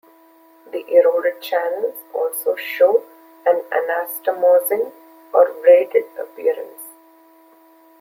The eroded channels also show an anastomosing, or braided, appearance.